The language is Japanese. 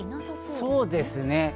そうですね。